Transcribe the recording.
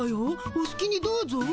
おすきにどうぞ。